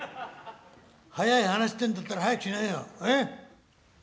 早い話ってんだったら早くしなよ。えっ」。